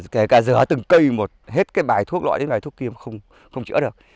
kể cả giữa từng cây hết bài thuốc loại đến bài thuốc kim không chữa được